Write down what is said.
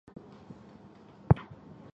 纳韦人口变化图示